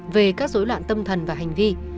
về các dối loạn tâm thần và hành vi